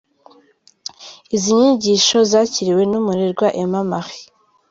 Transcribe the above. Izi nyigisho zakiriwe na Umurerwa Emma-Marie.